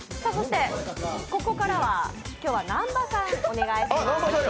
ここからは今日は南波さん、お願いします。